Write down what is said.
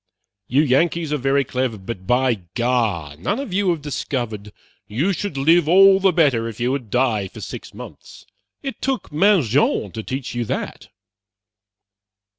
You Yankees are very clever, but by gar, none of you have discovered you should live all the better if you would die for six months. It took Mangin to teach you that."